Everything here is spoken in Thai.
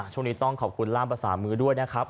ช่วงนี้ต้องขอบคุณล่ามภาษามือด้วยนะครับ